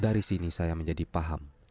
dari sini saya menjadi paham